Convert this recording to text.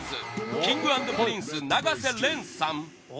Ｋｉｎｇ＆Ｐｒｉｎｃｅ永瀬廉さん